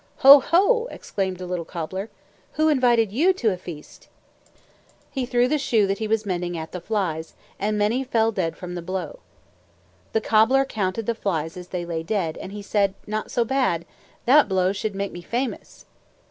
"Ho, ho!" exclaimed the little cobbler. "Who invited you to a feast?" He threw the shoe that he was mending, at the flies, and many fell dead from the blow. The cobbler counted the flies as they lay dead, and he said, "Not so bad! That blow should make me famous."